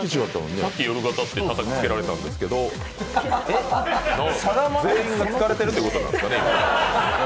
さっき夜型ってたたきつけられたんですけど全員が疲れてるってことなんですかね、今。